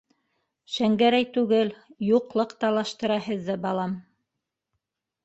Шәңгәрәй түгел, юҡлыҡ талаштыра һеҙҙе, балам!